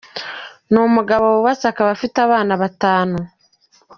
Ni umugabo wubatse akaba afite abana batanu.